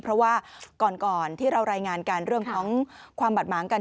เพราะว่าก่อนที่เรารายงานกันเรื่องของความบาดหมางกัน